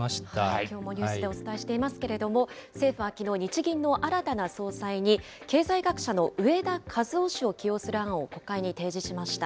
きょうもニュースでお伝えしていますけれども、政府はきのう、日銀の新たな総裁に、経済学者の植田和男氏を起用する案を国会に提示しました。